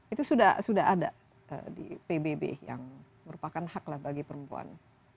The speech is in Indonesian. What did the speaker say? itu sudah ada di pbb yang merupakan hak lah bagi perempuan